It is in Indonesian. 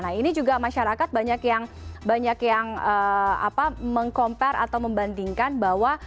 nah ini juga masyarakat banyak yang meng compare atau membandingkan bahwa